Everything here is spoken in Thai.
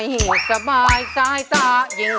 เพลงนี้อยู่ในอาราบัมชุดแจ็คเลยนะครับ